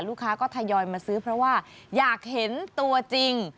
ลูกค้าก็ทยอยมาซื้อเพราะว่าอยากเห็นตัวจริง